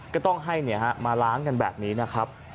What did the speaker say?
ก็ต้องให้มาล้างกันแบบนี้นะครับ